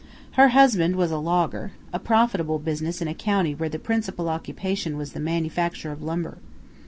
Her husband was a logger a profitable business in a county where the principal occupation was the manufacture of lumber.